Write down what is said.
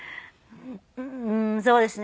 うーんそうですね。